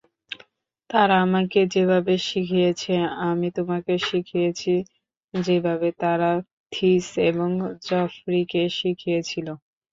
তারা আমাকে যেভাবে শিখিয়েছে আমি তোমাকে শিখিয়েছি, যেভাবে তারা থিস এবং জফরিকে শিখিয়েছিল।